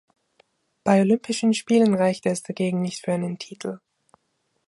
Bei Olympischen Spielen reichte es dagegen nicht für einen Titel.